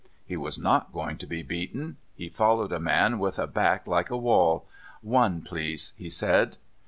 He was not going to be beaten. He followed a man with a back like a wall. "One, please," he said.